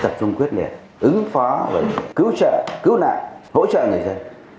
tập trung quyết liệt ứng phó và cứu trợ cứu nạn hỗ trợ người dân